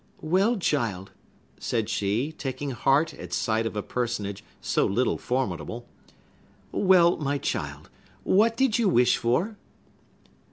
"Well, child," said she, taking heart at sight of a personage so little formidable,—"well, my child, what did you wish for?"